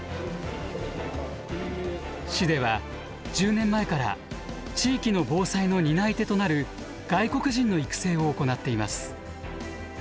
市では１０年前から地域の防災の担い手となる外国人の育成を行っています。